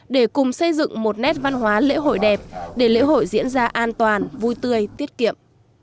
để cùng xây dựng một nét văn hóa lễ hội đẹp để lễ hội diễn ra an toàn vui tươi tiết kiệm